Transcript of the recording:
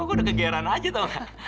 aku udah kegeran aja tau gak